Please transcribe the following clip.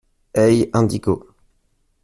Hey Indigo